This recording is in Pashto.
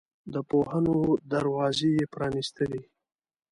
د پوهنو دروازې یې پرانستلې.